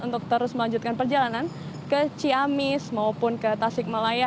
untuk terus melanjutkan perjalanan ke ciamis maupun ke tasik malaya